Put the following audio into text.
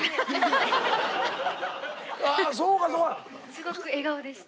すごく笑顔でした。